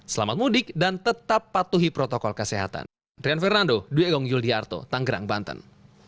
selamat mudik dan tetap patuhi protokol kesehatan